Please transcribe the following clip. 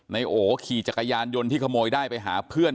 โอขี่จักรยานยนต์ที่ขโมยได้ไปหาเพื่อน